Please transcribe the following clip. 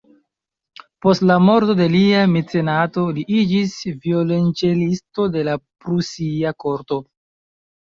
Post la morto de lia mecenato, li iĝis violonĉelisto de la prusia korto.